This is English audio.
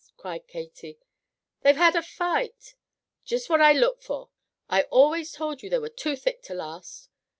cried Katy. "They've had a fight " "Just what I looked for! I always told you they were too thick to last!"